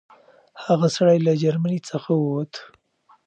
هغه سړی له جرمني څخه ووت.